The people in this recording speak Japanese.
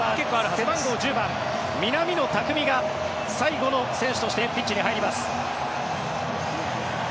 背番号１０番、南野拓実が最後の選手としてピッチに入ります。